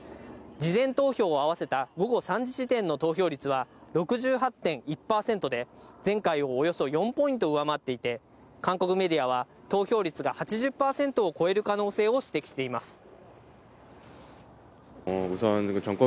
事前投票を合わせた午後３時時点の投票率は、６８．１％で、前回をおよそ４ポイント上回っていて、韓国メディアは、投票率が８０％を超える可能性を指摘しています。